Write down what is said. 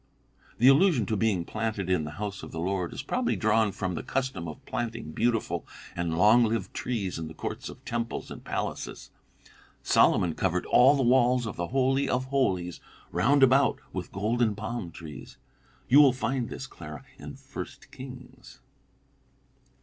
The allusion to being planted in the house of the Lord is probably drawn from the custom of planting beautiful and long lived trees in the courts of temples and palaces. Solomon covered all the walls of the holy of holies round about with golden palm trees. You will find this, Clara, in First Kings."